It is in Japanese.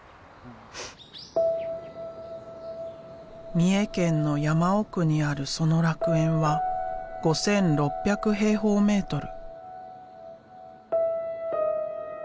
三重県の山奥にあるその楽園は５，６００平方メートル。